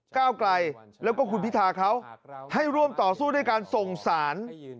ก้าวไกลแล้วก็คุณพิธาเขาให้ร่วมต่อสู้ด้วยการส่งสาร